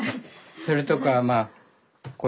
それとかまあこれ。